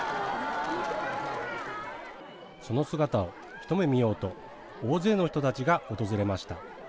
その姿をひと目見ようと大勢の人たちが訪れました。